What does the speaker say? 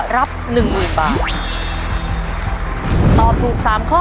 รับหนึ่งหมื่นบาทตอบถูกสามข้อ